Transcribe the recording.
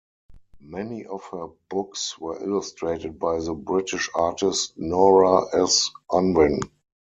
Many of her books were illustrated by the British artist Nora S. Unwin.